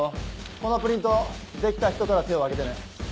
このプリントできた人から手を挙げてね。